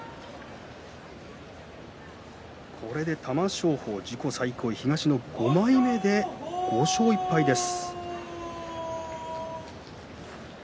これで玉正鳳自己最高位東の５枚目で５勝１敗です。